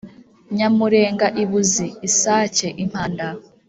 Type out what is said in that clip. Nyamurenga i Buzi-Isake - Impanda.